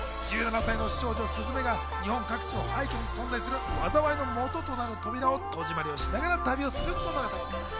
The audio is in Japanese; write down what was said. １７歳の少女・鈴芽が日本各地の廃虚に存在する災いの元となる扉を戸締まりをしながら旅をする物語。